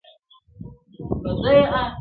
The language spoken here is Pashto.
وايي تبلیغ دی د کافرانو!!!!!